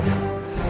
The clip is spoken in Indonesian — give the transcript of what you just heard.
aku tidak mau